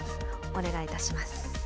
お願いいたします。